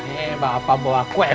nih bapak bawa kue